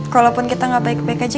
kalaupun kita gak baik baik aja